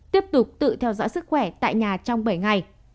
tiếp tục tự theo dõi sức khỏe tại nhà trong bảy ngày